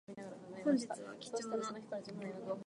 本日は貴重な